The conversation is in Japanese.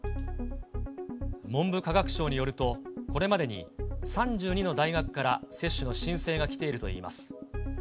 文部科学省によると、これまでに３２の大学から接種の申請が来ているといいます。